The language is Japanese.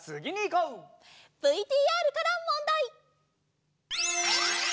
ＶＴＲからもんだい！